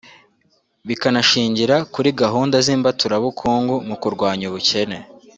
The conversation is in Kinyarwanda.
bikanashingira kuri gahunda z’imbaturabukungu mu kurwanya ubukene